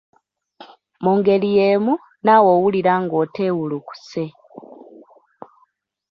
Mu ngeri yeemu naawe owulira ng'oteewulukuse